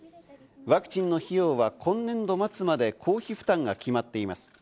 ワクチンの費用は今年度末まで公費負担が決まっています。